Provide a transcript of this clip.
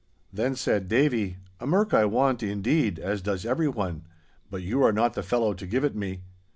Then said Davie, 'A merk I want, indeed, as does everyone, but you are not the fellow to give it me.